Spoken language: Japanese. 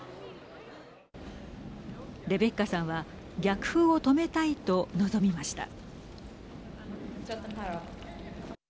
レベッカさんは逆風を止めたいと臨みました。